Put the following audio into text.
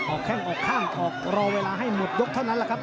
แข้งออกข้างออกรอเวลาให้หมดยกเท่านั้นแหละครับ